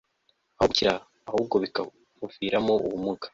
aho gukira ahubwo bikamuviramo ubumuga